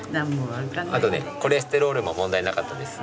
あとねコレステロールも問題なかったです。